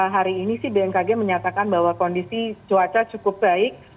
hari ini sih bmkg menyatakan bahwa kondisi cuaca cukup baik